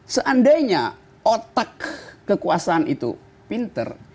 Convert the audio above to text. seandainya otak kekuasaan itu pinter